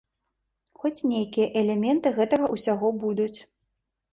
Хоць нейкія элементы гэтага ўсяго будуць.